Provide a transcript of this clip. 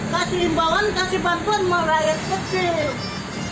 kasih imbauan kasih bantuan sama rakyat kecil